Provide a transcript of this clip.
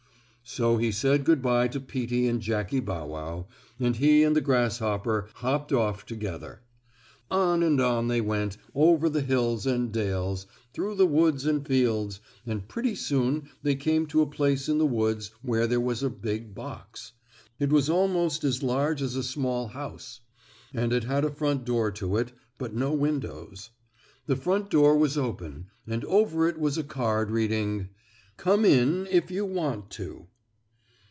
So he said good by to Peetie and Jackie Bow Wow, and he and the grasshopper hopped off together. On and on they went, over the hills and dales, through the woods and fields, and pretty soon they came to a place in the woods where there was a big box. It was almost as large as a small house, and it had a front door to it, but no windows. The front door was open and over it was a card reading: "COME IN, IF YOU WANT TO."